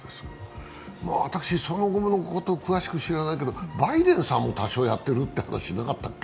私その後のこと詳しく知らないけど、バイデンさんも多少やっているって話、なかったっけ？